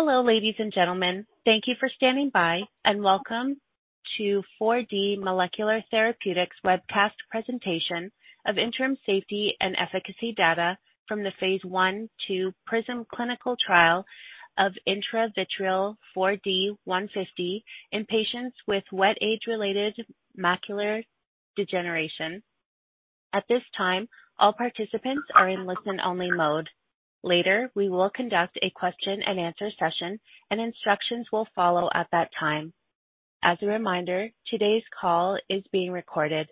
Hello, ladies and gentlemen. Thank you for standing by, and welcome to 4D Molecular Therapeutics webcast presentation of interim safety and efficacy data from the phase 1/2 PRISM clinical trial of intravitreal 4D-150 in patients with wet AMD. At this time, all participants are in listen-only mode. Later, we will conduct a question and answer session, and instructions will follow at that time. As a reminder, today's call is being recorded.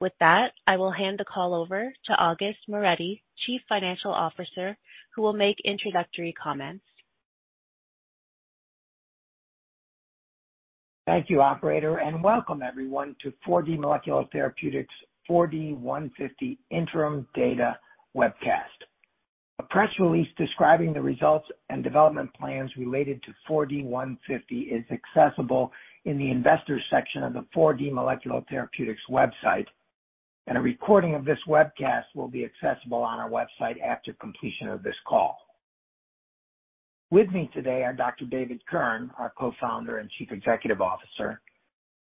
With that, I will hand the call over to August Moretti, Chief Financial Officer, who will make introductory comments. Thank you, operator, and welcome everyone to 4D Molecular Therapeutics 4D-150 interim data webcast. A press release describing the results and development plans related to 4D-150 is accessible in the investors section of the 4D Molecular Therapeutics website, and a recording of this webcast will be accessible on our website after completion of this call. With me today are Dr. David Kirn, our co-founder and chief executive officer,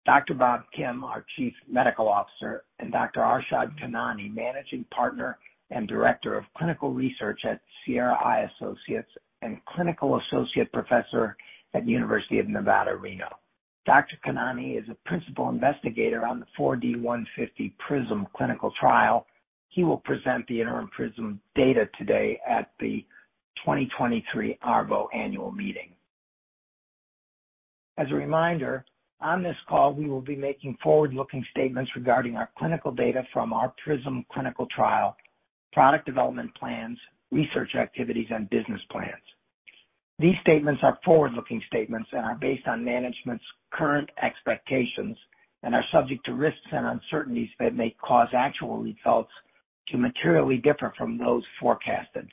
Dr. Bob Kim, our chief medical officer, and Dr. Arshad Khanani, managing partner and director of clinical research at Sierra Eye Associates and clinical associate professor at University of Nevada, Reno. Dr. Khanani is a principal investigator on the 4D-150 PRISM clinical trial. He will present the interim PRISM data today at the 2023 ARVO annual meeting. As a reminder, on this call we will be making forward-looking statements regarding our clinical data from our PRISM clinical trial, product development plans, research activities, and business plans. These statements are forward-looking statements and are based on management's current expectations and are subject to risks and uncertainties that may cause actual results to materially differ from those forecasted.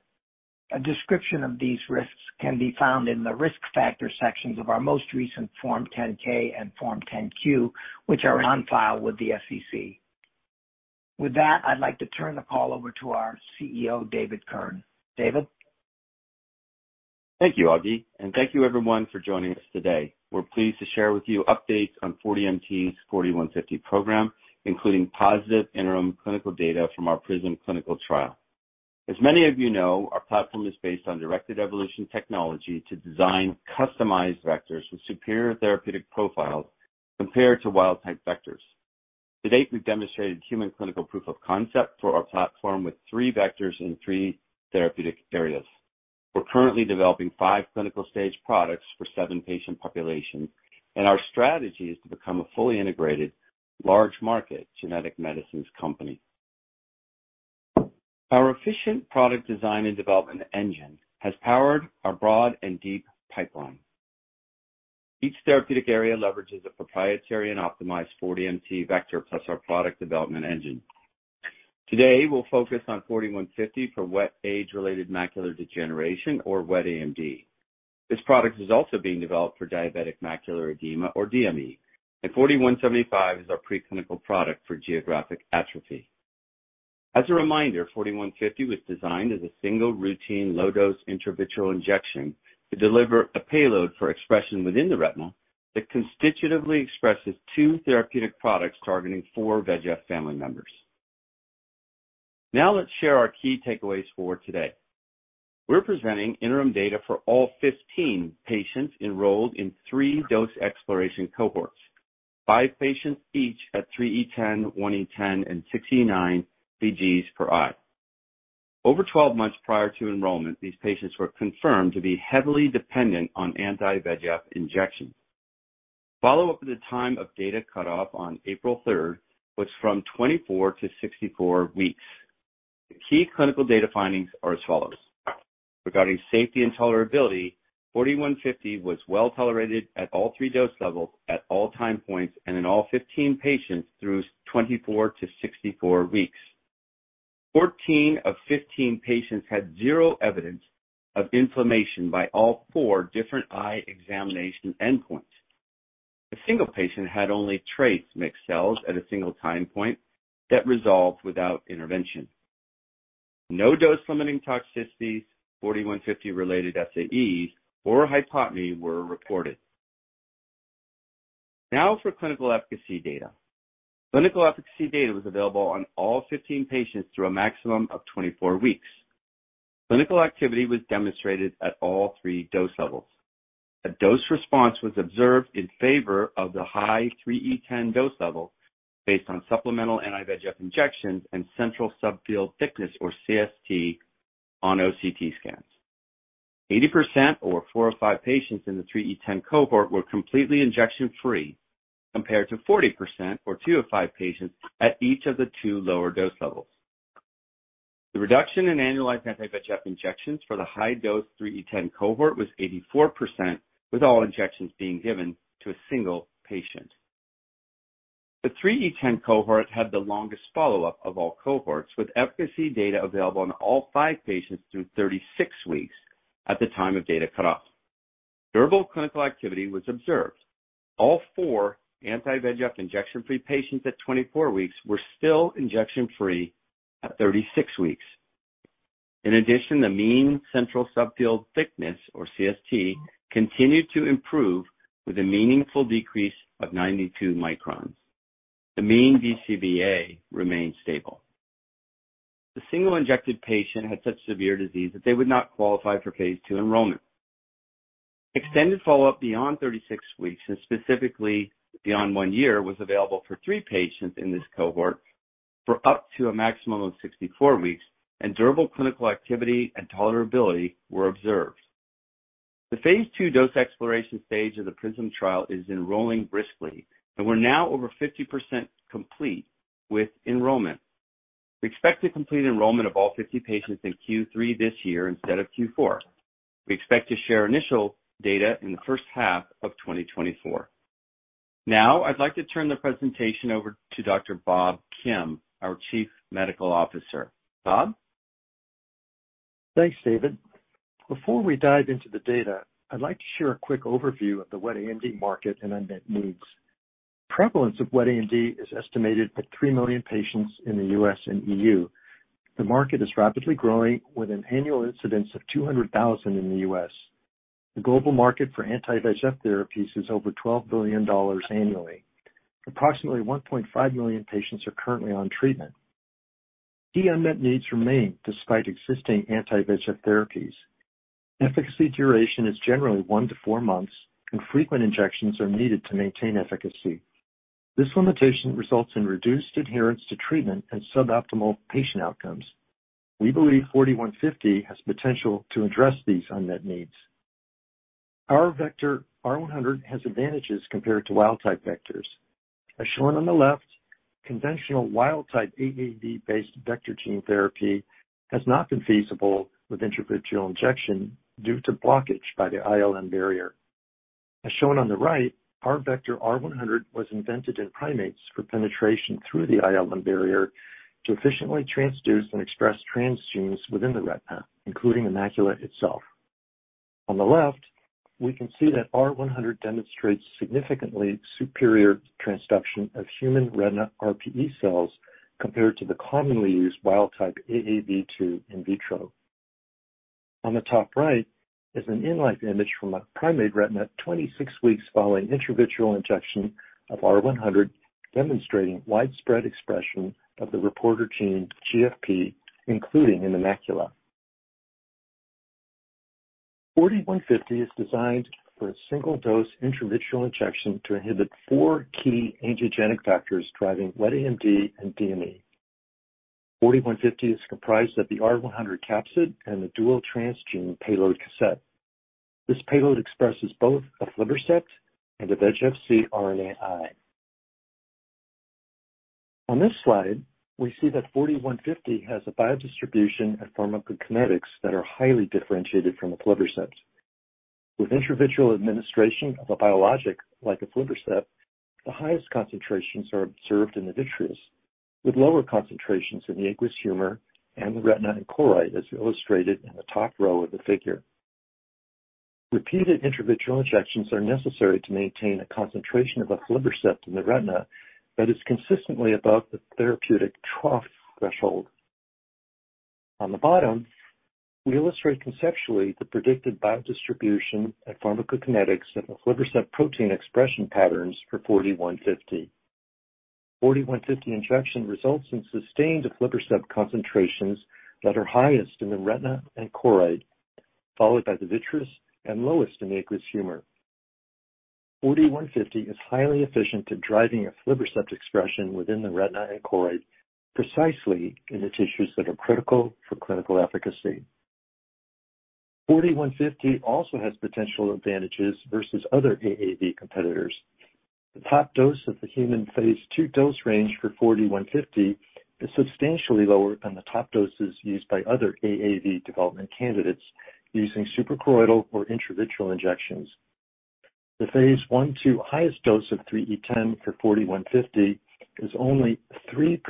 A description of these risks can be found in the Risk Factor sections of our most recent Form 10-K and Form 10-Q, which are on file with the SEC. With that, I'd like to turn the call over to our CEO, David Kirn. David. Thank you, Augie, thank you everyone for joining us today. We're pleased to share with you updates on 4DMT's 4D-150 program, including positive interim clinical data from our PRISM clinical trial. As many of you know, our platform is based on directed evolution technology to design customized vectors with superior therapeutic profiles compared to wild type vectors. To date, we've demonstrated human clinical proof of concept for our platform with three vectors in three therapeutic areas. We're currently developing five clinical stage products for seven patient populations, and our strategy is to become a fully integrated large market genetic medicines company. Our efficient product design and development engine has powered our broad and deep pipeline. Each therapeutic area leverages a proprietary and optimized 4DMT vector plus our product development engine. Today, we'll focus on 4D-150 for wet age-related macular degeneration or wet AMD. This product is also being developed for diabetic macular edema or DME. 4D-175 is our preclinical product for geographic atrophy. As a reminder, 4D-150 was designed as a single routine low-dose intravitreal injection to deliver a payload for expression within the retina that constitutively expresses two therapeutic products targeting 4 VEGF family members. Now let's share our key takeaways for today. We're presenting interim data for all 15 patients enrolled in 3 dose exploration cohorts, 5 patients each at 3E10, 1E10, and 6E9 vg/eye. Over 12 months prior to enrollment, these patients were confirmed to be heavily dependent on anti-VEGF injections. Follow-up at the time of data cutoff on April 3 was from 24 to 64 weeks. The key clinical data findings are as follows. Regarding safety and tolerability, 4D-150 was well tolerated at all three dose levels at all time points and in all 15 patients through 24-64 weeks. 14 of 15 patients had zero evidence of inflammation by all four different eye examination endpoints. A single patient had only trace mixed cells at a single time point that resolved without intervention. No dose-limiting toxicities, 4D-150 related SAEs, or hypotony were reported. For clinical efficacy data. Clinical efficacy data was available on all 15 patients through a maximum of 24 weeks. Clinical activity was demonstrated at all three dose levels. A dose response was observed in favor of the high 3E10 dose level based on supplemental anti-VEGF injections and central subfield thickness or CST on OCT scans. 80% or four of five patients in the 3E10 cohort were completely injection-free, compared to 40% or two of five patients at each of the two lower dose levels. The reduction in annualized anti-VEGF injections for the high-dose 3E10 cohort was 84%, with all injections being given to a single patient. The 3E10 cohort had the longest follow-up of all cohorts, with efficacy data available on all five patients through 36 weeks at the time of data cutoff. Durable clinical activity was observed. All four anti-VEGF injection-free patients at 24 weeks were still injection-free at 36 weeks. In addition, the mean Central Subfield Thickness, or CST, continued to improve with a meaningful decrease of 92 microns. The mean DCVA remained stable. The single injected patient had such severe disease that they would not qualify for phase two enrollment. Extended follow-up beyond 36 weeks, and specifically beyond 1 year, was available for 3 patients in this cohort for up to a maximum of 64 weeks, and durable clinical activity and tolerability were observed. The phase 2 dose exploration stage of the PRISM trial is enrolling briskly, and we're now over 50% complete with enrollment. We expect to complete enrollment of all 50 patients in Q3 this year instead of Q4. We expect to share initial data in the first half of 2024. Now, I'd like to turn the presentation over to Dr. Bob Kim, our Chief Medical Officer. Bob? Thanks, David. Before we dive into the data, I'd like to share a quick overview of the wet AMD market and unmet needs. Prevalence of wet AMD is estimated at 3 million patients in the U.S. and EU. The market is rapidly growing with an annual incidence of 200,000 in the U.S. The global market for anti-VEGF therapies is over $12 billion annually. Approximately 1.5 million patients are currently on treatment. Key unmet needs remain despite existing anti-VEGF therapies. Efficacy duration is generally one to four months, and frequent injections are needed to maintain efficacy. This limitation results in reduced adherence to treatment and suboptimal patient outcomes. We believe 4D-150 has potential to address these unmet needs. Our vector, R100, has advantages compared to wild-type vectors. As shown on the left, conventional wild-type AAV-based vector gene therapy has not been feasible with intravitreal injection due to blockage by the ILM barrier. As shown on the right, our vector R100 was invented in primates for penetration through the ILM barrier to efficiently transduce and express transgenes within the retina, including the macula itself. On the left, we can see that R100 demonstrates significantly superior transduction of human retina RPE cells compared to the commonly used wild-type AAV2 in vitro. On the top right is an in life image from a primate retina 26 weeks following intravitreal injection of R100, demonstrating widespread expression of the reporter gene GFP, including in the macula. 4D-150 is designed for a single dose intravitreal injection to inhibit four key angiogenic factors driving wet AMD and DME. 4D-150 is comprised of the R100 capsid and the dual transgene payload cassette. This payload expresses both aflibercept and a VEGF-C RNAi. On this slide, we see that 4D-150 has a biodistribution and pharmacokinetics that are highly differentiated from aflibercept. With intravitreal administration of a biologic like aflibercept, the highest concentrations are observed in the vitreous, with lower concentrations in the aqueous humor and the retina and choroid, as illustrated in the top row of the figure. Repeated intravitreal injections are necessary to maintain a concentration of aflibercept in the retina that is consistently above the therapeutic trough threshold. On the bottom, we illustrate conceptually the predicted biodistribution and pharmacokinetics of aflibercept protein expression patterns for 4D-150. 4D-150 injection results in sustained aflibercept concentrations that are highest in the retina and choroid, followed by the vitreous and lowest in the aqueous humor. 4D-150 is highly efficient at driving aflibercept expression within the retina and choroid, precisely in the tissues that are critical for clinical efficacy. 4D-150 also has potential advantages versus other AAV competitors. The top dose of the human phase 2 dose range for 4D-150 is substantially lower than the top doses used by other AAV development candidates using suprachoroidal or intravitreal injections. The phase 1/2 highest dose of 3E10 for 4D-150 is only 3%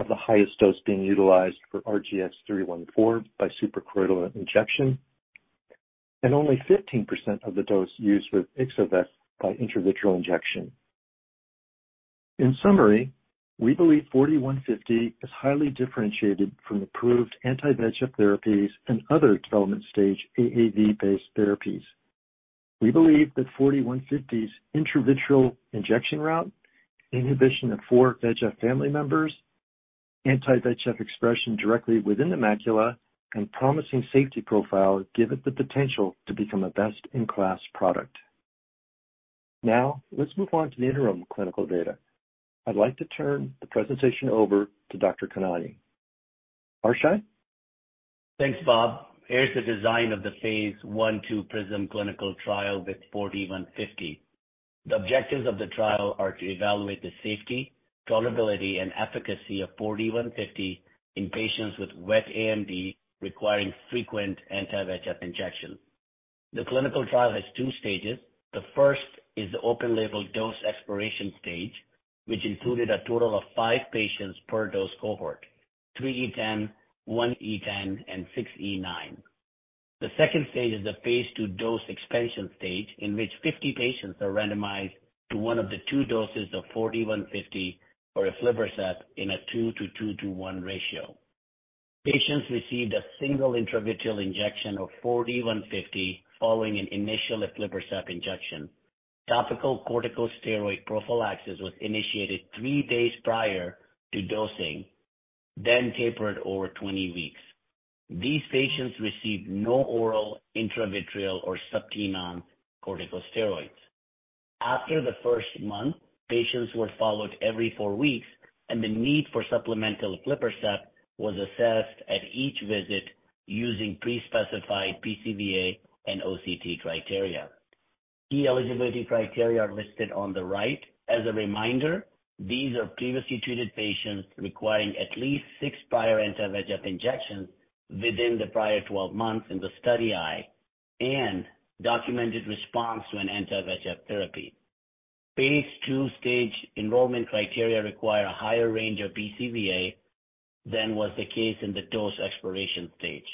of the highest dose being utilized for RGX-314 by suprachoroidal injection, and only 15% of the dose used with Ixo-vec by intravitreal injection. In summary, we believe 4D-150 is highly differentiated from approved anti-VEGF therapies and other development stage AAV-based therapies. We believe that 4D-150's intravitreal injection route, inhibition of four VEGF family members, anti-VEGF expression directly within the macula, and promising safety profile give it the potential to become a best-in-class product. Let's move on to the interim clinical data. I'd like to turn the presentation over to Dr. Khanani. Arshad? Thanks, Bob. Here's the design of the phase 1/2 PRISM clinical trial with 4D-150. The objectives of the trial are to evaluate the safety, tolerability, and efficacy of 4D-150 in patients with wet AMD requiring frequent anti-VEGF injections. The clinical trial has 2 stages. The first is the open label dose exploration stage, which included a total of 5 patients per dose cohort. 3E10, 1E10, and 6E9. The second stage is the phase 2 dose expansion stage, in which 50 patients are randomized to one of the 2 doses of 4D-150 or aflibercept in a 2-to-2-to-1 ratio. Patients received a single intravitreal injection of 4D-150 following an initial aflibercept injection. Topical corticosteroid prophylaxis was initiated 3 days prior to dosing, then tapered over 20 weeks. These patients received no oral, intravitreal, or sub-Q non-corticosteroids. After the first month, patients were followed every four weeks, and the need for supplemental aflibercept was assessed at each visit using pre-specified BCVA and OCT criteria. Key eligibility criteria are listed on the right. As a reminder, these are previously treated patients requiring at least six prior anti-VEGF injections within the prior 12 months in the study eye and documented response to an anti-VEGF therapy. Phase 2 stage enrollment criteria require a higher range of BCVA than was the case in the dose exploration stage.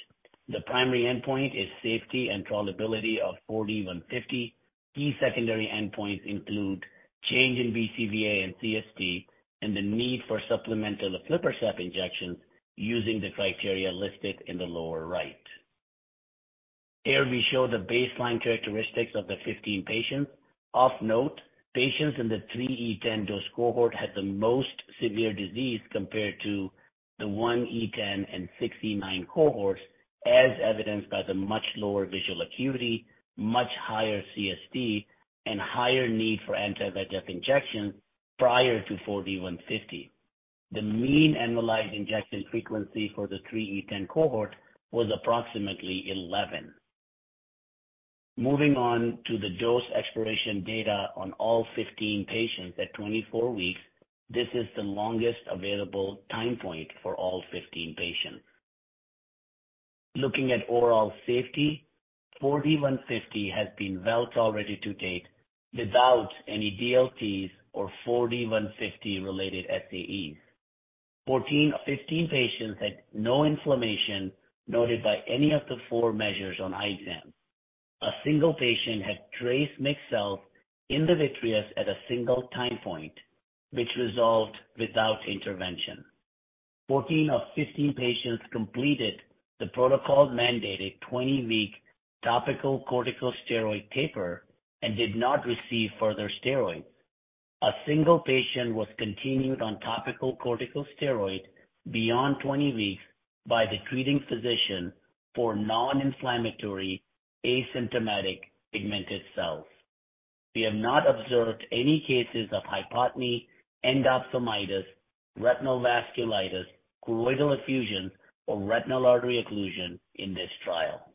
The primary endpoint is safety and tolerability of 4D-150. Key secondary endpoints include change in BCVA and CST and the need for supplemental aflibercept injections using the criteria listed in the lower right. Here we show the baseline characteristics of the 15 patients. Of note, patients in the 3E10 dose cohort had the most severe disease compared to the 1E10 and 6E9 cohorts, as evidenced by the much lower visual acuity, much higher CST, and higher need for anti-VEGF injections prior to 4D-150. The mean annualized injection frequency for the 3E10 cohort was approximately 11. Moving on to the dose exploration data on all 15 patients at 24 weeks, this is the longest available time point for all 15 patients. Looking at overall safety, 4D-150 has been well-tolerated to date without any DLTs or 4D-150-related SAEs. 14 of 15 patients had no inflammation noted by any of the 4 measures on eye exam. A single patient had trace mixed cells in the vitreous at a single time point, which resolved without intervention. 14 of 15 patients completed the protocol-mandated 20-week topical corticosteroid taper and did not receive further steroids. A single patient was continued on topical corticosteroid beyond 20 weeks by the treating physician for non-inflammatory, asymptomatic pigmented cells. We have not observed any cases of hypotony, endophthalmitis, retinal vasculitis, choroidal effusion, or retinal artery occlusion in this trial.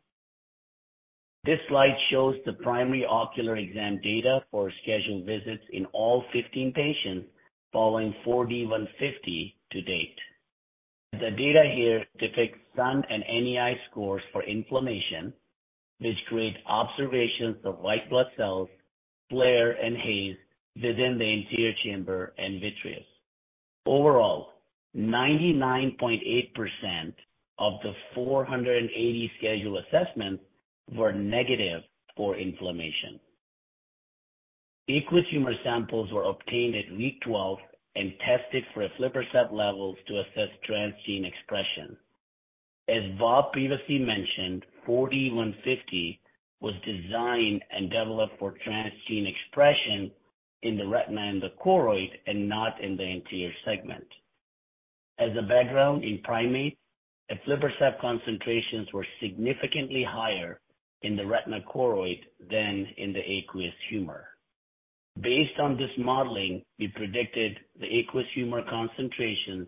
This slide shows the primary ocular exam data for scheduled visits in all 15 patients following 4D-150 to date. The data here depicts SUN and NEI scores for inflammation, which create observations of white blood cells, flare, and haze within the anterior chamber and vitreous. Overall, 99.8% of the 480 scheduled assessments were negative for inflammation. Aqueous humor samples were obtained at week 12 and tested for aflibercept levels to assess transgene expression. As Robert Kim previously mentioned, 4D-150 was designed and developed for transgene expression in the retina and the choroid and not in the anterior segment. Background in primate, aflibercept concentrations were significantly higher in the retina choroid than in the aqueous humor. Based on this modeling, we predicted the aqueous humor concentration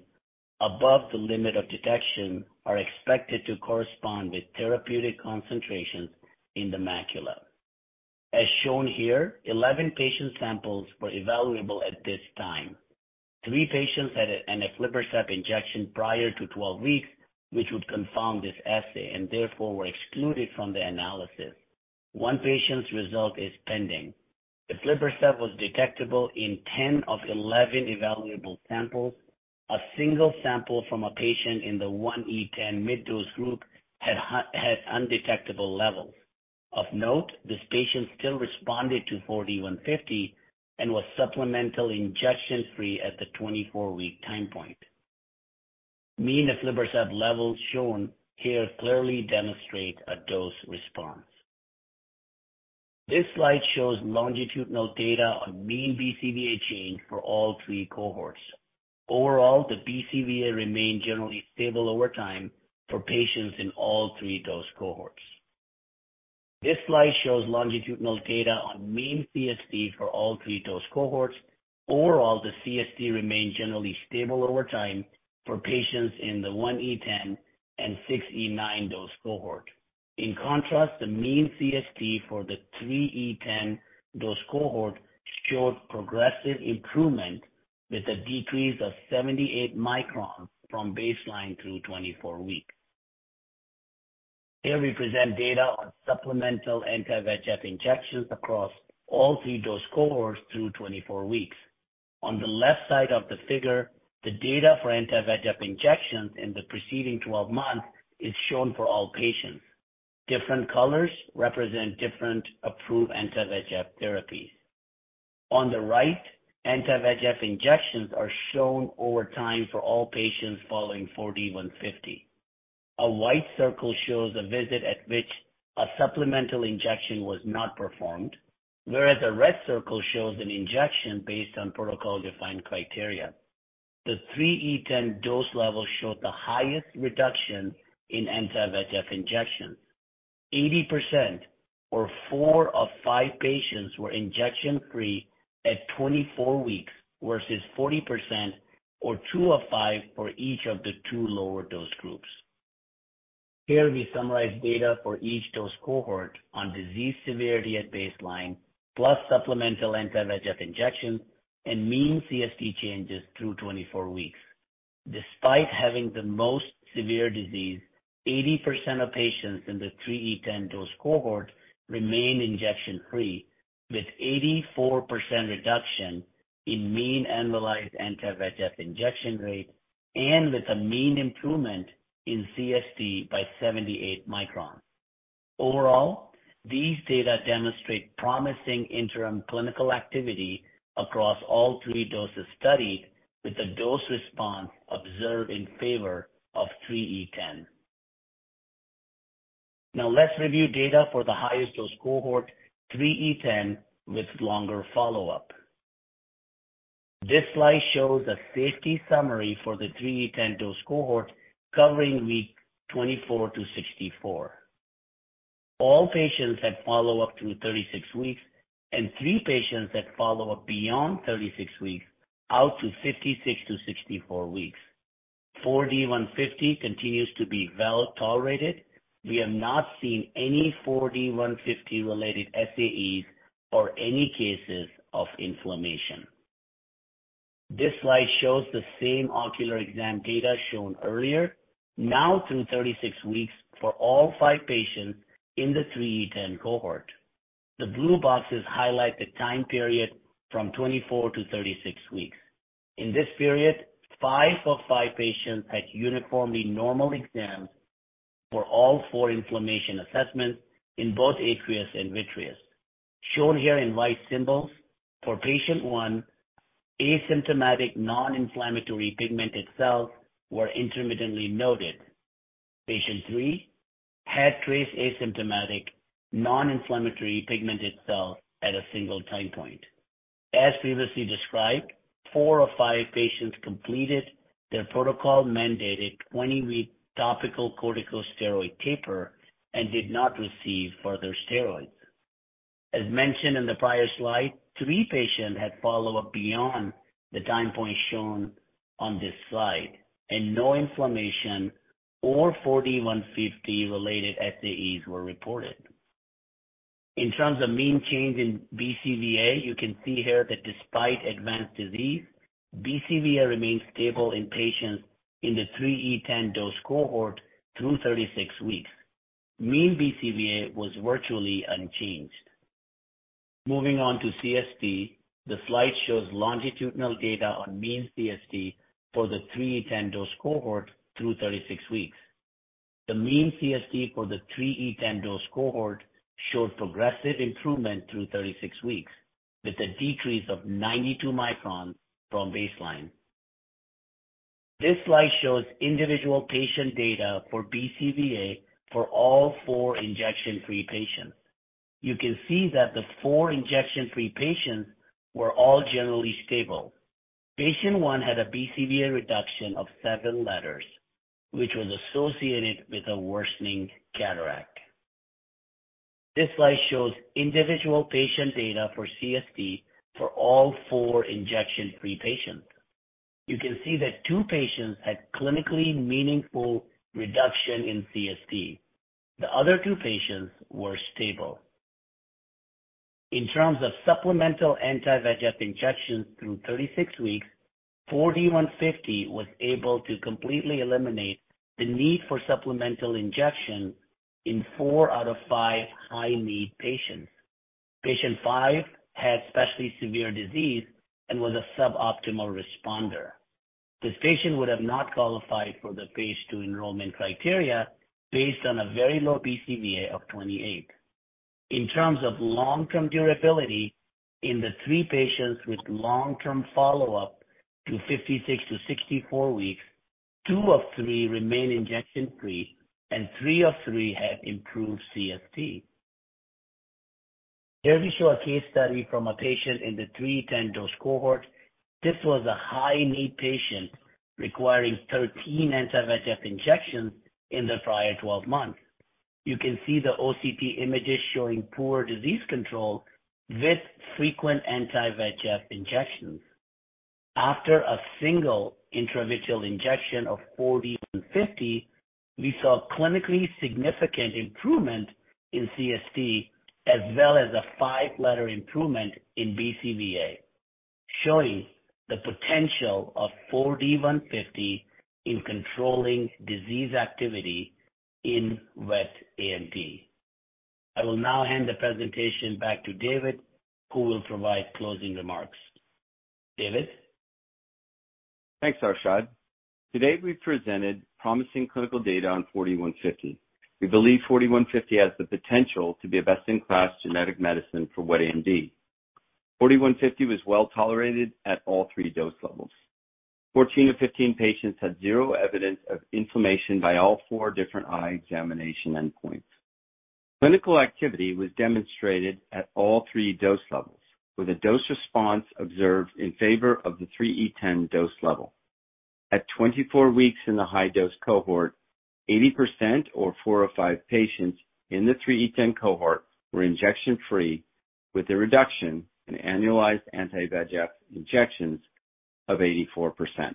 above the limit of detection are expected to correspond with therapeutic concentrations in the macula. Shown here, 11 patient samples were evaluable at this time. 3 patients had an aflibercept injection prior to 12 weeks, which would confound this assay and therefore were excluded from the analysis. 1 patient's result is pending. aflibercept was detectable in 10 of 11 evaluable samples. A single sample from a patient in the 1E10 mid-dose group had undetectable levels. Of note, this patient still responded to 4D-150 and was supplemental injection-free at the 24-week time point. Mean aflibercept levels shown here clearly demonstrate a dose response. This slide shows longitudinal data on mean BCVA change for all three cohorts. Overall, the BCVA remained generally stable over time for patients in all three dose cohorts. This slide shows longitudinal data on mean CST for all three dose cohorts. Overall, the CST remained generally stable over time for patients in the 1E10 and 6E9 dose cohort. In contrast, the mean CST for the 3E10 dose cohort showed progressive improvement with a decrease of 78 microns from baseline through 24 weeks. Here we present data on supplemental anti-VEGF injections across all three dose cohorts through 24 weeks. On the left side of the figure, the data for anti-VEGF injections in the preceding 12 months is shown for all patients. Different colors represent different approved anti-VEGF therapies. On the right, anti-VEGF injections are shown over time for all patients following 4D-150. A white circle shows a visit at which a supplemental injection was not performed, whereas a red circle shows an injection based on protocol-defined criteria. The 3E10 dose level showed the highest reduction in anti-VEGF injections. 80% or 4 of 5 patients were injection-free at 24 weeks, versus 40% or 2 of 5 for each of the 2 lower dose groups. Here we summarize data for each dose cohort on disease severity at baseline, plus supplemental anti-VEGF injections and mean CST changes through 24 weeks. Despite having the most severe disease, 80% of patients in the 3E10 dose cohort remained injection-free, with 84% reduction in mean annualized anti-VEGF injection rate and with a mean improvement in CST by 78 microns. These data demonstrate promising interim clinical activity across all 3 doses studied, with a dose response observed in favor of 3E10. Let's review data for the highest dose cohort, 3E10, with longer follow-up. This slide shows a safety summary for the 3E10 dose cohort covering week 24-64. All patients had follow-up through 36 weeks and 3 patients had follow-up beyond 36 weeks out to 56-64 weeks. 4D-150 continues to be well-tolerated. We have not seen any 4D-150-related SAEs or any cases of inflammation. This slide shows the same ocular exam data shown earlier, now through 36 weeks for all 5 patients in the 3E10 cohort. The blue boxes highlight the time period from 24-36 weeks. In this period, 5 of 5 patients had uniformly normal exams for all 4 inflammation assessments in both aqueous and vitreous. Shown here in white symbols, for Patient 1, asymptomatic non-inflammatory pigmented cells were intermittently noted. Patient 3 had trace asymptomatic non-inflammatory pigmented cells at a single time point. As previously described, 4 of 5 patients completed their protocol-mandated 20-week topical corticosteroid taper and did not receive further steroids. As mentioned in the prior slide, 3 patients had follow-up beyond the time point shown on this slide, and no inflammation or 4D-150-related SAEs were reported. In terms of mean change in BCVA, you can see here that despite advanced disease, BCVA remained stable in patients in the 3E10 dose cohort through 36 weeks. Mean BCVA was virtually unchanged. Moving on to CST, the slide shows longitudinal data on mean CST for the 3E10 dose cohort through 36 weeks. The mean CST for the 3E10 dose cohort showed progressive improvement through 36 weeks, with a decrease of 92 microns from baseline. This slide shows individual patient data for BCVA for all four injection-free patients. You can see that the four injection-free patients were all generally stable. Patient 1 had a BCVA reduction of 7 letters, which was associated with a worsening cataract. This slide shows individual patient data for CST for all four injection-free patients. You can see that two patients had clinically meaningful reduction in CST. The other 2 patients were stable. In terms of supplemental anti-VEGF injections through 36 weeks, 4D-150 was able to completely eliminate the need for supplemental injection in 4 out of 5 high-need patients. Patient 5 had especially severe disease and was a suboptimal responder. This patient would have not qualified for the Phase 2 enrollment criteria based on a very low BCVA of 28. In terms of long-term durability, in the 3 patients with long-term follow-up to 56-64 weeks, 2 of 3 remain injection-free and 3 of 3 have improved CST. Here we show a case study from a patient in the 3E10 dose cohort. This was a high-need patient requiring 13 anti-VEGF injections in the prior 12 months. You can see the OCT images showing poor disease control with frequent anti-VEGF injections. After a single intravitreal injection of 4D-150, we saw clinically significant improvement in CST as well as a 5-letter improvement in BCVA. Showing the potential of 4D-150 in controlling disease activity in wet AMD. I will now hand the presentation back to David, who will provide closing remarks. David? Thanks, Arshad. Today, we presented promising clinical data on 4D-150. We believe 4D-150 has the potential to be a best-in-class genetic medicine for wet AMD. 4D-150 was well tolerated at all 3 dose levels. 14 of 15 patients had zero evidence of inflammation by all 4 different eye examination endpoints. Clinical activity was demonstrated at all 3 dose levels, with a dose response observed in favor of the 3E10 dose level. At 24 weeks in the high dose cohort, 80% or 4 of 5 patients in the 3E10 cohort were injection-free, with a reduction in annualized anti-VEGF injections of 84%.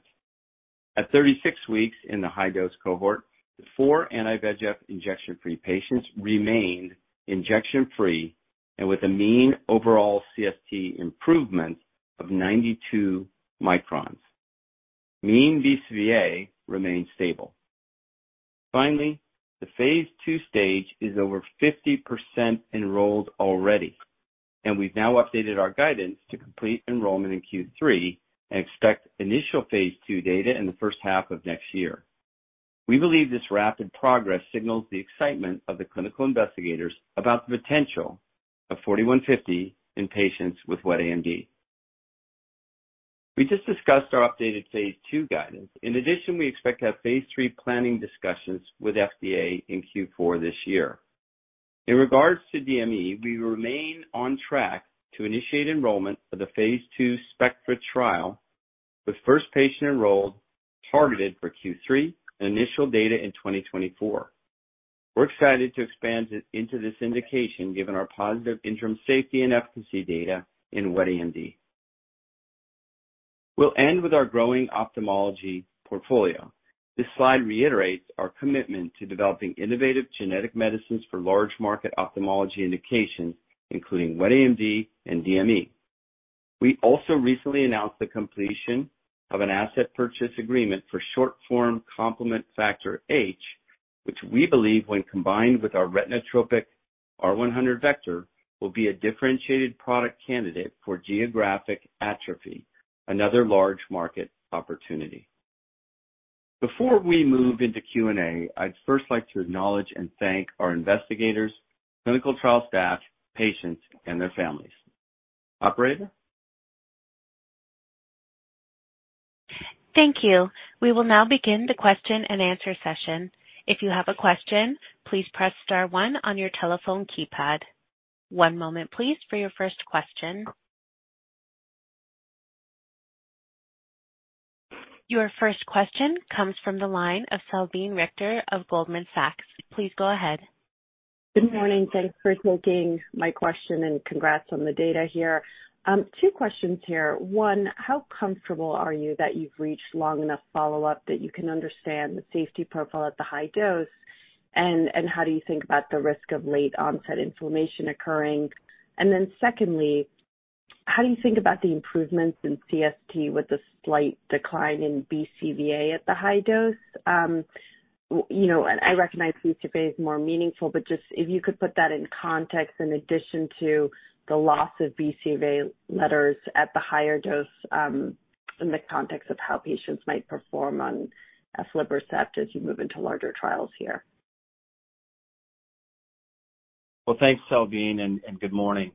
At 36 weeks in the high dose cohort, the 4 anti-VEGF injection-free patients remained injection-free and with a mean overall CST improvement of 92 microns. Mean BCVA remained stable. The phase 2 stage is over 50% enrolled already, and we've now updated our guidance to complete enrollment in Q3 and expect initial phase 2 data in the first half of next year. We believe this rapid progress signals the excitement of the clinical investigators about the potential of 4D-150 in patients with wet AMD. We just discussed our updated phase 2 guidance. We expect to have phase 3 planning discussions with FDA in Q4 this year. In regards to DME, we remain on track to initiate enrollment for the phase 2 SPECTRA trial, with first patient enrolled targeted for Q3 and initial data in 2024. We're excited to expand it into this indication given our positive interim safety and efficacy data in wet AMD. We'll end with our growing ophthalmology portfolio. This slide reiterates our commitment to developing innovative genetic medicines for large market ophthalmology indications, including wet AMD and DME. We also recently announced the completion of an asset purchase agreement for short form complement factor H, which we believe when combined with our retinotropic R100 vector, will be a differentiated product candidate for geographic atrophy, another large market opportunity. Before we move into Q&A, I'd first like to acknowledge and thank our investigators, clinical trial staff, patients, and their families. Operator? Thank you. We will now begin the question-and-answer session. If you have a question, please press star one on your telephone keypad. One moment please for your first question. Your first question comes from the line of Salveen Richter of Goldman Sachs. Please go ahead. Good morning. Thanks for taking my question. Congrats on the data here. 2 questions here. One, how comfortable are you that you've reached long enough follow-up that you can understand the safety profile at the high dose? How do you think about the risk of late onset inflammation occurring? Secondly, how do you think about the improvements in CST with a slight decline in BCVA at the high dose? You know, I recognize BCVA is more meaningful, but just if you could put that in context in addition to the loss of BCVA letters at the higher dose, in the context of how patients might perform on aflibercept as you move into larger trials here. Well, thanks, Salveen, and good morning.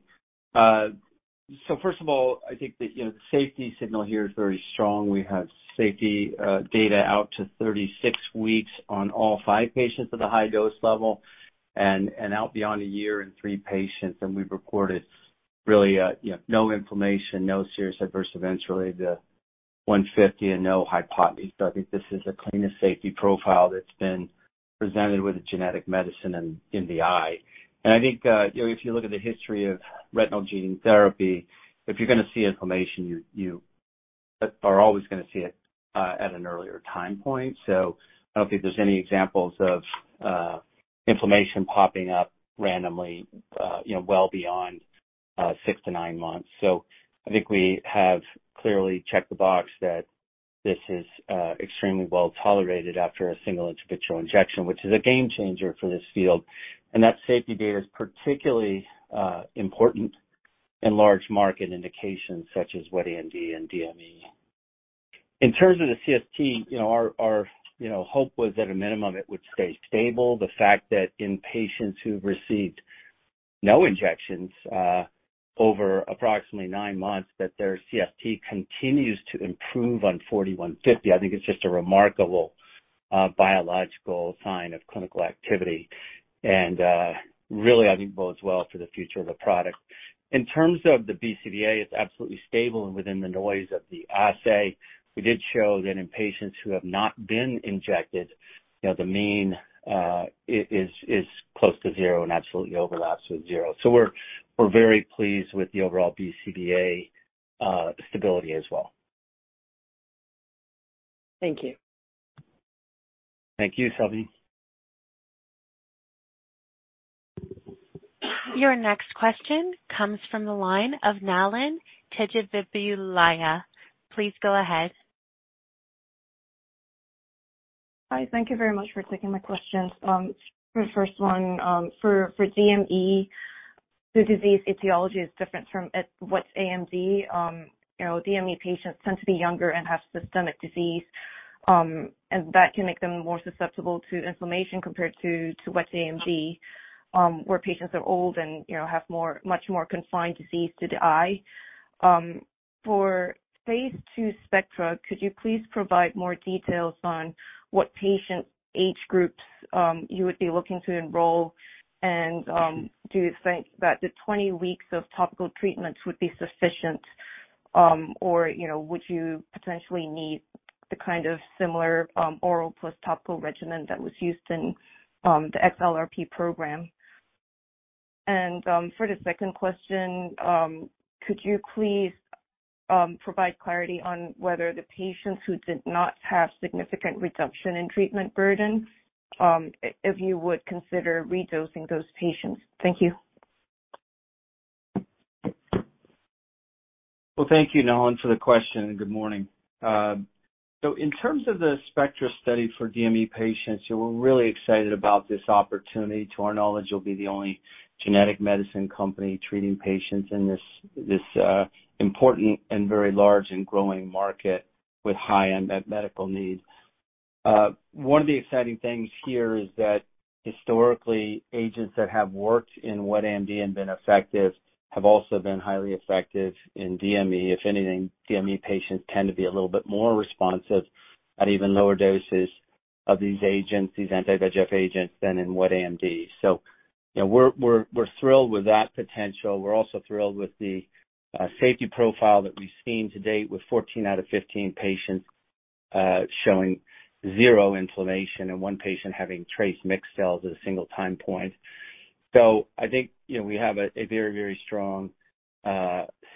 First of all, I think that, you know, the safety signal here is very strong. We have safety data out to 36 weeks on all 5 patients at a high dose level and out beyond a year in 3 patients, and we've reported really, you know, no inflammation, no serious adverse events related to 4D-150 and no hypotony. I think this is the cleanest safety profile that's been presented with a genetic medicine in the eye. I think, you know, if you look at the history of retinal gene therapy, if you're going to see inflammation, you are always going to see it at an earlier time point. I don't think there's any examples of inflammation popping up randomly, you know, well beyond six to nine months. I think we have clearly checked the box that this is extremely well tolerated after a single intravitreal injection, which is a game changer for this field. That safety data is particularly important in large market indications such as wet AMD and DME. In terms of the CST, you know, our, you know, hope was at a minimum it would stay stable. The fact that in patients who've received no injections over approximately 9 months, that their CST continues to improve on 4D-150, I think is just a remarkable biological sign of clinical activity and really, I think bodes well for the future of the product. In terms of the BCVA, it's absolutely stable and within the noise of the assay, we did show that in patients who have not been injected, you know, the mean is close to zero and absolutely overlaps with zero. We're very pleased with the overall BCVA stability as well. Thank you. Thank you, Salveen. Your next question comes from the line of Nalin Tejavibulya. Please go ahead. Hi. Thank you very much for taking my questions. For the first one, for DME, the disease etiology is different from at wet AMD. You know, DME patients tend to be younger and have systemic disease, and that can make them more susceptible to inflammation compared to wet AMD, where patients are old and, you know, have more, much more confined disease to the eye. For phase 2 SPECTRA, could you please provide more details on what patient age groups you would be looking to enroll? Do you think that the 20 weeks of topical treatments would be sufficient, or, you know, would you potentially need the kind of similar oral plus topical regimen that was used in the XLRP program? For the second question, could you please provide clarity on whether the patients who did not have significant reduction in treatment burden, if you would consider redosing those patients? Thank you. Well, thank you, Nalin, for the question and good morning. In terms of the SPECTRA study for DME patients, we're really excited about this opportunity. To our knowledge, we'll be the only genetic medicine company treating patients in this important and very large and growing market with high unmet medical needs. One of the exciting things here is that historically, agents that have worked in wet AMD and been effective have also been highly effective in DME. If anything, DME patients tend to be a little bit more responsive at even lower doses of these agents, these anti-VEGF agents, than in wet AMD. you know, we're thrilled with that potential. We're also thrilled with the safety profile that we've seen to date, with 14 out of 15 patients, showing 0 inflammation and 1 patient having trace mixed cells at a single time point. I think, you know, we have a very, very strong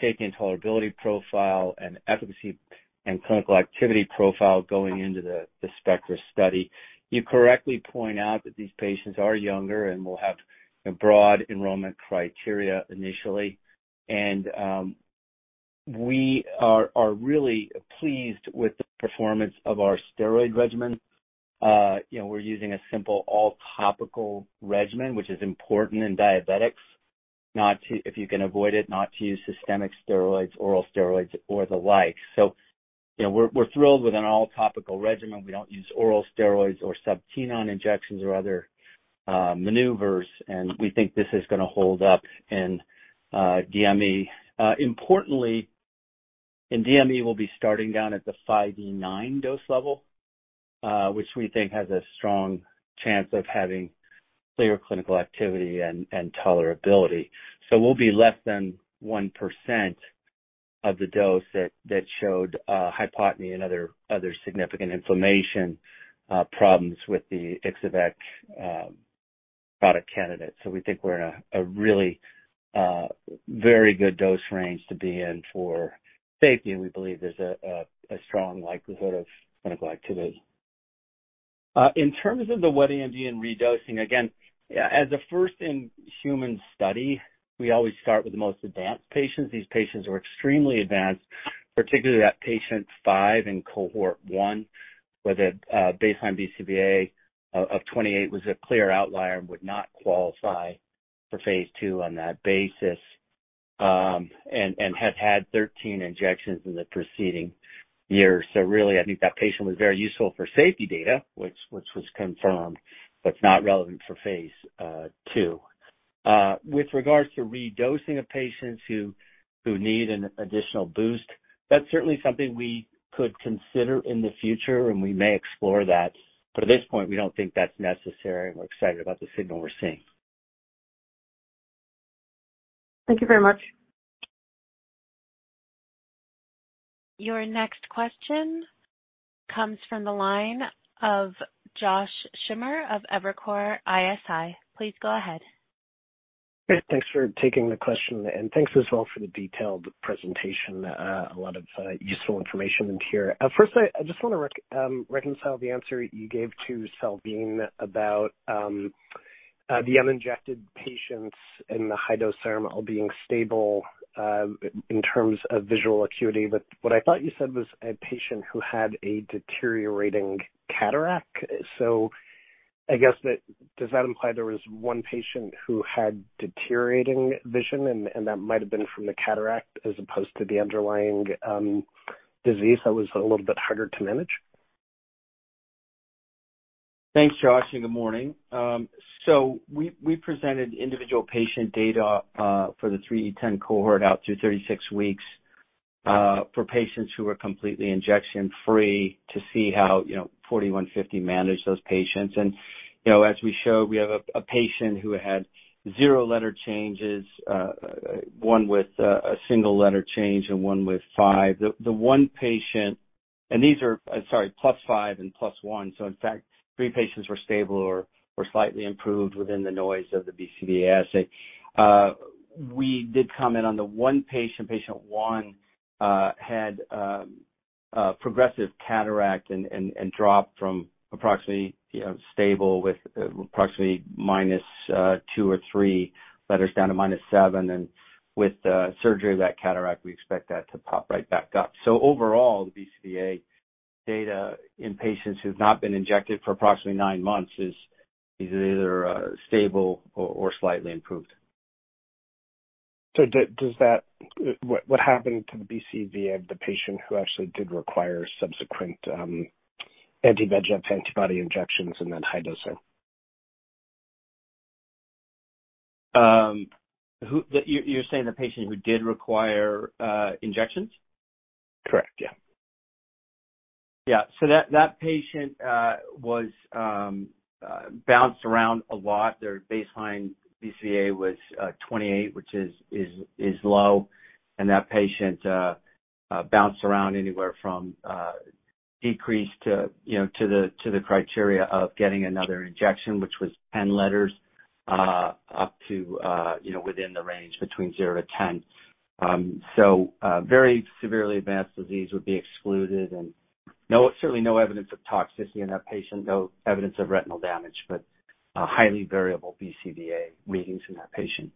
safety and tolerability profile and efficacy and clinical activity profile going into the SPECTRA study. You correctly point out that these patients are younger and will have a broad enrollment criteria initially. We are really pleased with the performance of our steroid regimen. You know, we're using a simple all-topical regimen, which is important in diabetics, not to, if you can avoid it, not to use systemic steroids, oral steroids or the like. You know, we're thrilled with an all-topical regimen. We don't use oral steroids or sub-Tenon injections or other maneuvers, and we think this is going to hold up in DME. Importantly, in DME, we'll be starting down at the 5E9 dose level, which we think has a strong chance of having clear clinical activity and tolerability. We'll be less than 1% of the dose that showed hypotony and other significant inflammation problems with the Ixo-vec product candidate. We think we're in a really very good dose range to be in for safety, and we believe there's a strong likelihood of clinical activity. In terms of the wet AMD and redosing, again, as a first in human study, we always start with the most advanced patients. These patients are extremely advanced, particularly that patient 5 in cohort 1, with a baseline BCVA of 28 was a clear outlier and would not qualify for phase 2 on that basis, and had had 13 injections in the preceding year. Really, I think that patient was very useful for safety data, which was confirmed, but it's not relevant for phase 2. With regards to redosing of patients who need an additional boost, that's certainly something we could consider in the future, and we may explore that. At this point, we don't think that's necessary, and we're excited about the signal we're seeing. Thank you very much. Your next question comes from the line of Josh Schimmer of Evercore ISI. Please go ahead. Great. Thanks for taking the question, thanks as well for the detailed presentation. A lot of useful information in here. First I just want to reconcile the answer you gave to Salveen about the uninjected patients in the high-dose thermal being stable in terms of visual acuity. What I thought you said was a patient who had a deteriorating cataract. I guess that, does that imply there was one patient who had deteriorating vision and that might have been from the cataract as opposed to the underlying disease that was a little bit harder to manage? Thanks, Josh, and good morning. So we presented individual patient data for the 3E10 cohort out to 36 weeks for patients who are completely injection-free to see how, you know, 4D-150 managed those patients. You know, as we showed, we have a patient who had 0 letter changes, 1 with a 1 letter change and 1 with 5. The 1 patient, and these are, sorry, +5 and +1, so in fact, 3 patients were stable or slightly improved within the noise of the BCVA assay. We did comment on the 1 patient. Patient 1 had progressive cataract and dropped from approximately, you know, stable with approximately -2 or 3 letters down to -7. With the surgery of that cataract, we expect that to pop right back up. Overall, the BCVA data in patients who've not been injected for approximately nine months is either stable or slightly improved. What happened to the BCVA of the patient who actually did require subsequent, anti-VEGF antibody injections and then high-dose A? You're saying the patient who did require injections? Correct. Yeah. Yeah. That, that patient was bounced around a lot. Their baseline BCVA was 28, which is low. That patient bounced around anywhere from decreased to, you know, to the criteria of getting another injection, which was 10 letters, up to, you know, within the range between zero to 10. Very severely advanced disease would be excluded. No, certainly no evidence of toxicity in that patient. No evidence of retinal damage, but a highly variable BCVA readings in that patient.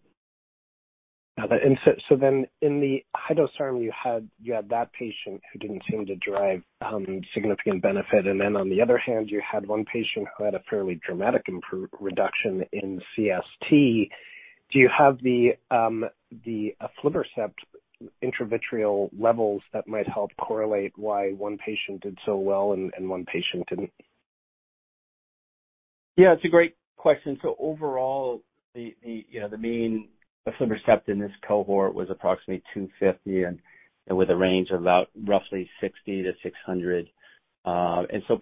In the high-dose arm you had that patient who didn't seem to derive significant benefit. On the other hand, you had one patient who had a fairly dramatic reduction in CST. Do you have the aflibercept intravitreal levels that might help correlate why one patient did so well and one patient didn't? Yeah, it's a great question. Overall, you know, the mean aflibercept in this cohort was approximately 250 and with a range of about roughly 60-600.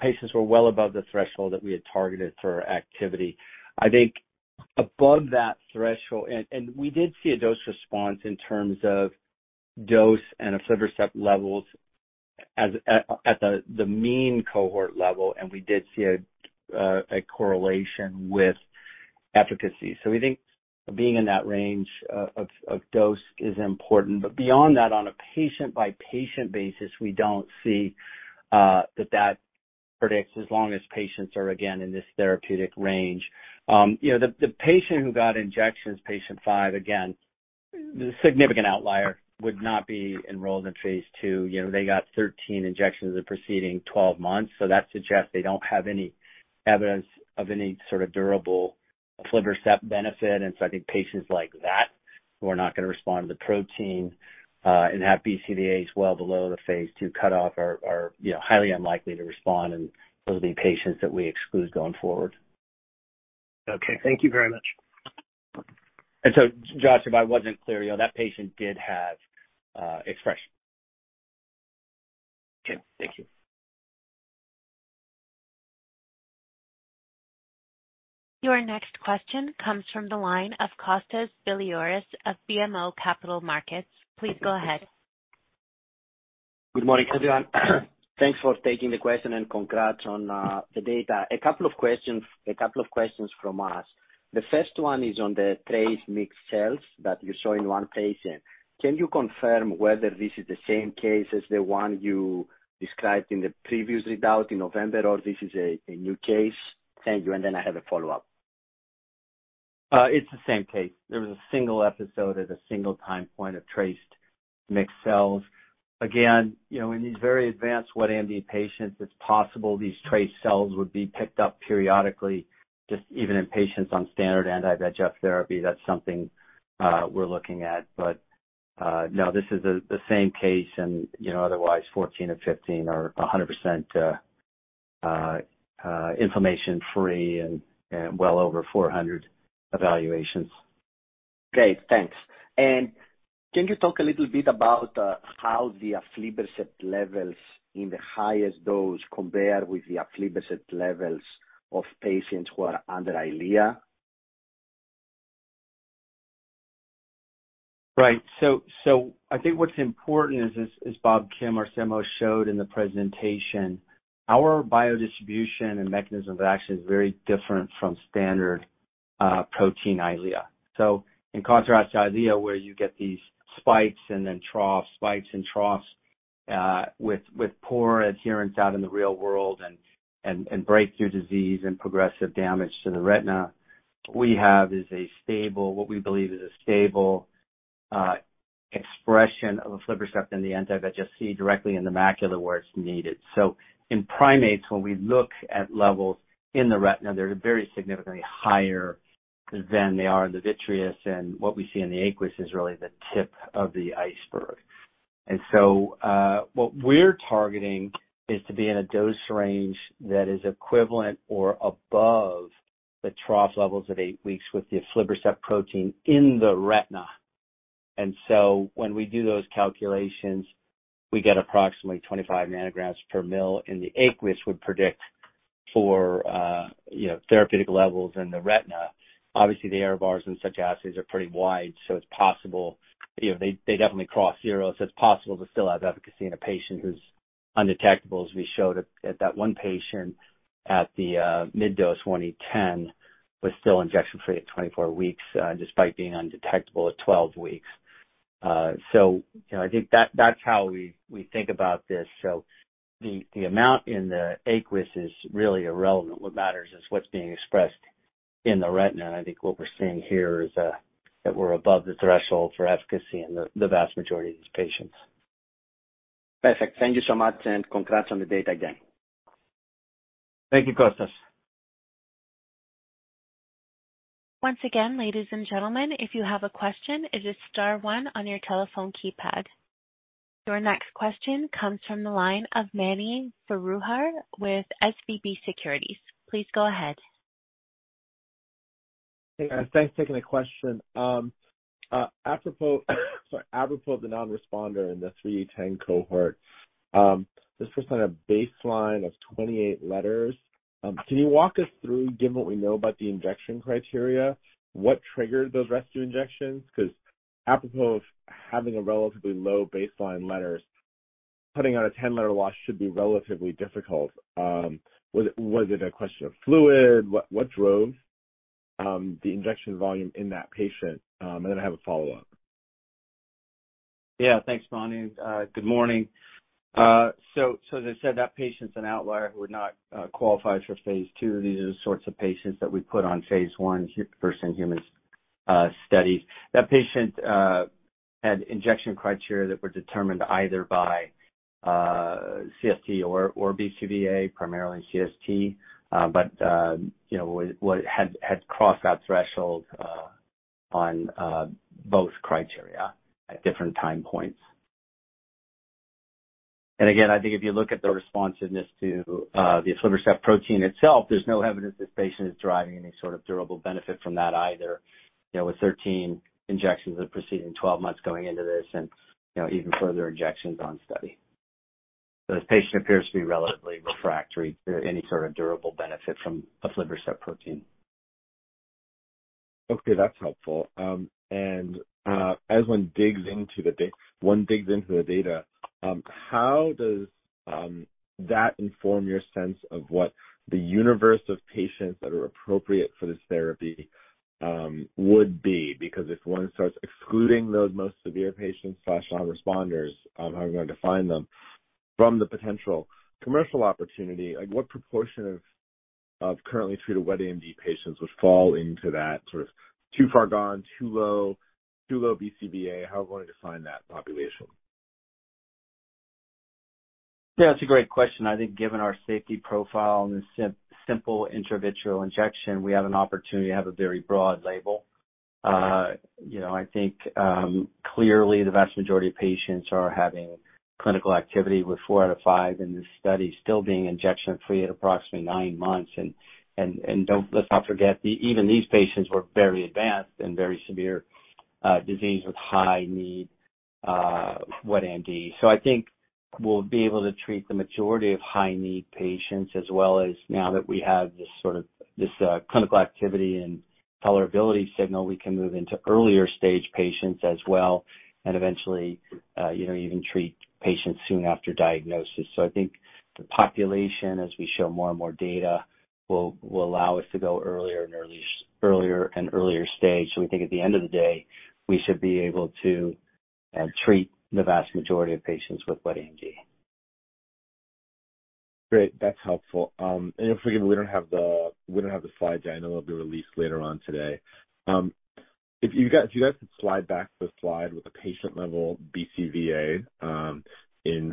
Patients were well above the threshold that we had targeted for activity. I think above that threshold. We did see a dose response in terms of dose and aflibercept levels at the mean cohort level. We did see a correlation with efficacy. We think being in that range of dose is important. Beyond that, on a patient-by-patient basis, we don't see that predicts as long as patients are, again, in this therapeutic range. You know, the patient who got injections, patient 5, again, the significant outlier would not be enrolled in phase 2. You know, they got 13 injections in the preceding 12 months. That suggests they don't have any evidence of any sort of durable aflibercept benefit. I think patients like that who are not going to respond to the protein and have BCVAs well below the phase 2 cutoff are, you know, highly unlikely to respond. Those will be patients that we exclude going forward. Okay. Thank you very much. Josh, if I wasn't clear, you know, that patient did have expression. Okay. Thank you. Your next question comes from the line of Kostas Biliouris of BMO Capital Markets. Please go ahead. Good morning, everyone. Thanks for taking the question. Congrats on the data. A couple of questions from us. The first one is on the traced mixed cells that you saw in one patient. Can you confirm whether this is the same case as the one you described in the previous readout in November, or this is a new case? Thank you. Then I have a follow-up. It's the same case. There was a single episode at a single time point of traced mixed cells. Again, you know, in these very advanced wet AMD patients, it's possible these traced cells would be picked up periodically, just even in patients on standard anti-VEGF therapy. That's something, we're looking at. No, this is the same case. You know, otherwise, 14 of 15 are 100% inflammation-free and well over 400 evaluations. Great. Thanks. Can you talk a little bit about how the aflibercept levels in the highest dose compare with the aflibercept levels of patients who are under Eylea? Right. I think what's important is, as Bob Kim our CMO showed in the presentation, our biodistribution and mechanism is actually very different from standard protein Eylea. In contrast to Eylea, where you get these spikes and then troughs, spikes and troughs, with poor adherence out in the real world and breakthrough disease and progressive damage to the retina, what we have is a stable, what we believe is a stable expression of aflibercept in the anti-VEGF C directly in the macula where it's needed. In primates, when we look at levels in the retina, they're very significantly higher than they are in the vitreous. What we see in the aqueous is really the tip of the iceberg. What we're targeting is to be in a dose range that is equivalent or above the trough levels at 8 weeks with the aflibercept protein in the retina. When we do those calculations, we get approximately 25 nanograms per mil in the aqueous would predict for, you know, therapeutic levels in the retina. Obviously, the error bars in such assays are pretty wide, so it's possible, you know, they definitely cross zeros. It's possible to still have efficacy in a patient who's undetectable, as we showed at that one patient. At the mid-dose 1E10 was still injection-free at 24 weeks, despite being undetectable at 12 weeks. You know, I think that's how we think about this. The amount in the aqueous is really irrelevant. What matters is what's being expressed in the retina. I think what we're seeing here is, that we're above the threshold for efficacy in the vast majority of these patients. Perfect. Thank you so much. Congrats on the data again. Thank you, Kostas. Once again, ladies and gentlemen, if you have a question, it is star one on your telephone keypad. Your next question comes from the line of Mani Foroohar with SVB Securities. Please go ahead. Hey, guys. Thanks for taking the question. Apropos the non-responder in the 3E10 cohort, this was on a baseline of 28 letters. Can you walk us through, given what we know about the injection criteria, what triggered those rescue injections? 'Cause apropos having a relatively low baseline letters, putting on a 10-letter loss should be relatively difficult. Was it a question of fluid? What drove the injection volume in that patient? Then I have a follow-up. Yeah. Thanks, Mani. Good morning. So as I said, that patient's an outlier who would not qualify for phase 2. These are the sorts of patients that we put on phase 1 humans studies. That patient had injection criteria that were determined either by CST or BCVA, primarily CST. You know, what had crossed that threshold on both criteria at different time points. Again, I think if you look at the responsiveness to the aflibercept protein itself, there's no evidence this patient is deriving any sort of durable benefit from that either. You know, with 13 injections that proceeded 12 months going into this and, you know, even further injections on study. This patient appears to be relatively refractory to any sort of durable benefit from the aflibercept protein. Okay, that's helpful. As one digs into the data, how does that inform your sense of what the universe of patients that are appropriate for this therapy would be? If one starts excluding those most severe patients slash non-responders, how are we going to find them from the potential commercial opportunity? What proportion of currently treated wet AMD patients would fall into that sort of too far gone, too low BCVA? How are we going to define that population? Yeah, that's a great question. I think given our safety profile and the simple intravitreal injection, we have an opportunity to have a very broad label. you know, I think, clearly the vast majority of patients are having clinical activity with 4 out of 5, and this study still being injection-free at approximately 9 months. And don't let's not forget, even these patients were very advanced and very severe, disease with high need, wet AMD. I think we'll be able to treat the majority of high-need patients as well as now that we have this sort of, this, clinical activity and tolerability signal, we can move into earlier stage patients as well and eventually, you know, even treat patients soon after diagnosis. I think the population, as we show more and more data, will allow us to go earlier and earlier stage. We think at the end of the day, we should be able to treat the vast majority of patients with wet AMD. Great. That's helpful. Forgive me, we don't have the, we don't have the slides. I know it'll be released later on today. Do you guys could slide back to the slide with the patient-level BCVA,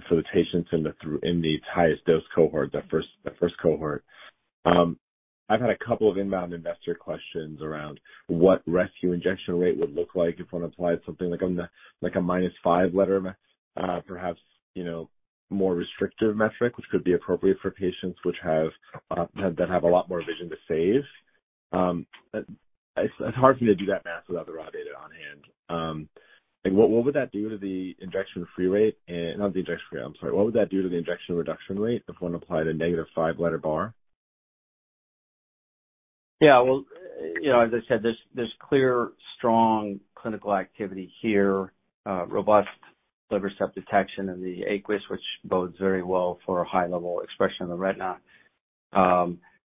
for the patients in the highest dose cohort, the first cohort? I've had a couple of inbound investor questions around what rescue injection rate would look like if one applied something like on the, like a -5 letter, perhaps, you know, more restrictive metric, which could be appropriate for patients which have, that have a lot more vision to save. It's, it's hard for me to do that math without the raw data on hand. Like, what would that do to the injection-free rate and... Not the injection-free. I'm sorry. What would that do to the injection reduction rate if one applied a negative five-letter bar? Yeah. Well, you know, as I said, there's clear, strong clinical activity here, robust aflibercept detection in the aqueous, which bodes very well for a high level expression in the retina.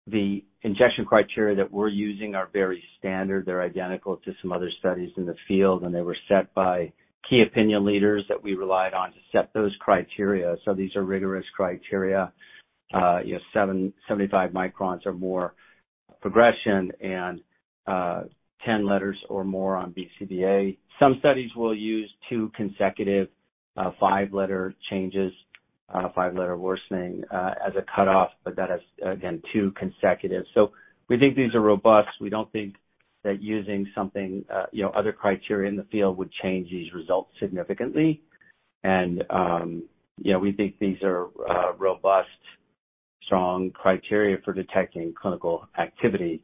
The injection criteria that we're using are very standard. They're identical to some other studies in the field, and they were set by key opinion leaders that we relied on to set those criteria. These are rigorous criteria. You know, 75 microns or more progression and 10 letters or more on BCVA. Some studies will use two consecutive, 5-letter changes, 5-letter worsening, as a cutoff, but that is again two consecutive. We think these are robust. We don't think that using something, you know, other criteria in the field would change these results significantly. you know, we think these are robust, strong criteria for detecting clinical activity.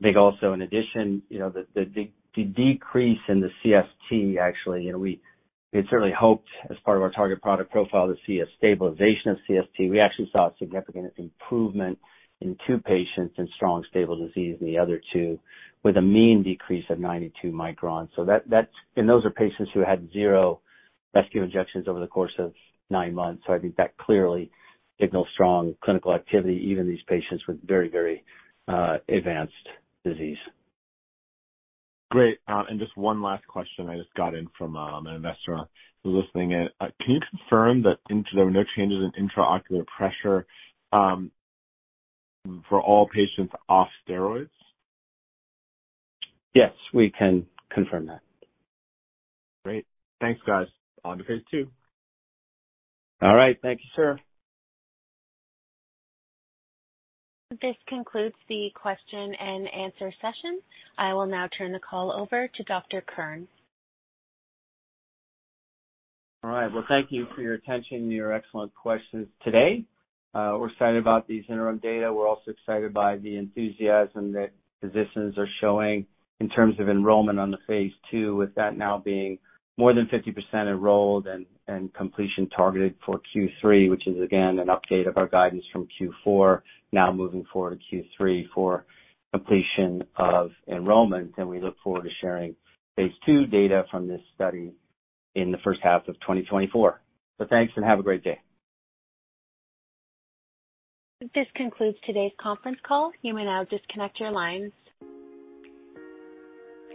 I think also in addition, you know, the decrease in the CST actually, you know, we certainly hoped as part of our target product profile to see a stabilization of CST. We actually saw a significant improvement in 2 patients and strong, stable disease in the other 2 with a mean decrease of 92 microns. Those are patients who had zero rescue injections over the course of 9 months. I think that clearly signals strong clinical activity, even these patients with very advanced disease. Great. Just one last question I just got in from, an investor who's listening in. Can you confirm that there were no changes in intraocular pressure, for all patients off steroids? Yes, we can confirm that. Great. Thanks, guys. On to phase 2. All right. Thank you, sir. This concludes the question and answer session. I will now turn the call over to Dr. Kirn. All right. Well, thank you for your attention and your excellent questions today. We're excited about these interim data. We're also excited by the enthusiasm that physicians are showing in terms of enrollment on the phase 2, with that now being more than 50% enrolled and completion targeted for Q3, which is again an update of our guidance from Q4, now moving forward to Q3 for completion of enrollment. We look forward to sharing phase 2 data from this study in the first half of 2024. Thanks, and have a great day. This concludes today's conference call. You may now disconnect your lines.